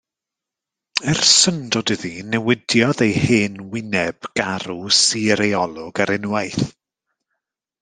Er syndod iddi newidiodd ei hen wyneb, garw, sur ei olwg ar unwaith.